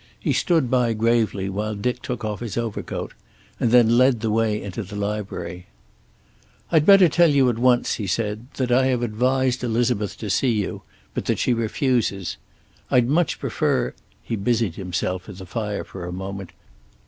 He stood by gravely while Dick took off his overcoat, and then led the way into the library. "I'd better tell you at once," he said, "that I have advised Elizabeth to see you, but that she refuses. I'd much prefer " He busied himself at the fire for a moment.